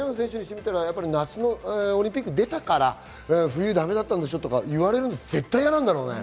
夏のオリンピック出たから、冬だめだったんでしょとか言われるの、絶対嫌なんだろうね。